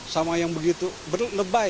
sama yang begitu benar benar lebay